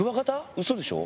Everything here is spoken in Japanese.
ウソでしょ？